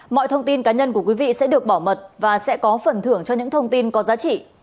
mọi thông tin cá nhân của quý vị sẽ được bảo mật và sẽ có phần thưởng cho những thông tin có giá trị